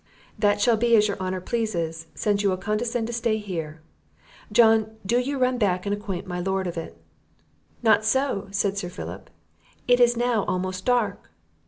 "That shall be as your honour pleases, since you will condescend to stay here. John, do you run back and acquaint my Lord of it." "Not so," said Sir Philip; "it is now almost dark."